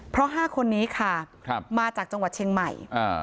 เพราะ๕คนนี้ค่ะมาจากจังหวัดเชียงใหม่